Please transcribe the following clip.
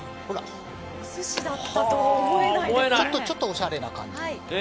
ちょっとおしゃれな感じで。